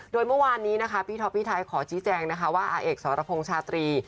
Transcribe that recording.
โดยเมื่อวานนี้นะคะพี่ท็อปพี่ไทยขอชี้แจงนะคะว่าอาเอกสรพงษ์ชาตรี